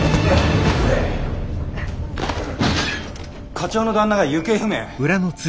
課長の旦那が行方不明？